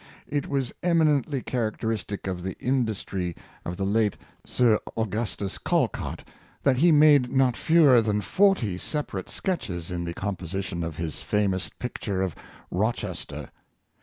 It was emi nently characteristic of the industry of the late Sir Au 334 Callcoit—West gustus Callcott that he made not fewer than forty sep arate sketches in the composition of his famous picture of " Rochester."